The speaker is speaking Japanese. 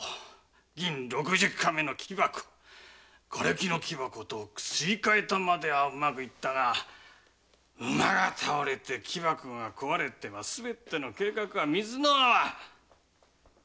銀六十貫目の木箱瓦礫の木箱とすり替えたまではうまくいったが馬が倒れて木箱が壊れてすべての計画が水の泡。